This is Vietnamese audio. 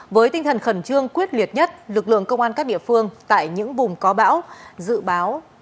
với tinh thần khẩn trương quyết liệt nhất lực lượng công an các địa phương tại những vùng có bão dự báo